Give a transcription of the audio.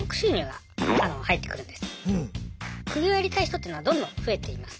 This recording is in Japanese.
副業やりたい人っていうのはどんどん増えています。